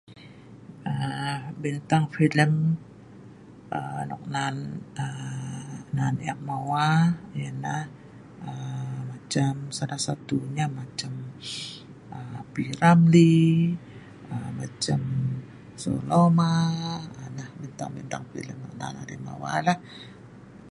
um Bintang film um nok nan um nan ek mawa yah nah, macam salah satu nya macam P.Ramlie, um macam Seloma. um Nah bintang filem dong nan arai mawa ai lah.